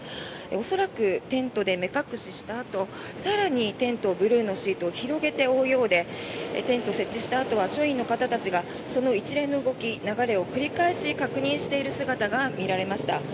恐らくテントで目隠ししたあと更にテントブルーシートを覆うようでテントを設置したあとは署員がその一連の流れを確認するように動いていする姿が見られました。